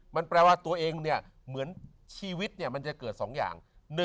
มันแปลว่าตัวเองเนี่ยเหมือนชีวิตมันจะเกิด๒อย่าง